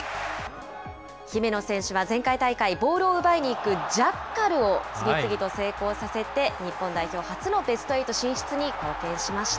姫野選手は前回大会、ボールを奪いにいくジャッカルを次々と成功させて、日本代表初のベストエイト進出に貢献しました。